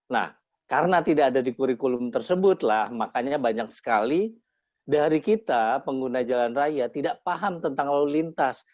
nah karena tidak ada di kurikulum tersebutlah makanya banyak sekali dari kita pengguna jalan raya tidak paham tentang lalu lintas